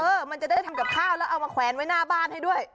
มันจะได้ทำกับข้าวแล้วเอามาแขวนไว้หน้าบ้านให้ด้วย